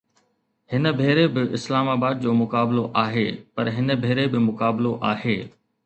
هن ڀيري به اسلام آباد جو مقابلو آهي، پر هن ڀيري به مقابلو آهي